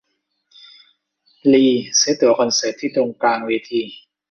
ลีซื้อตั๋วคอนเสิร์ตที่ตรงกลางเวที